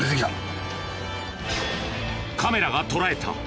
カメラが捉えた！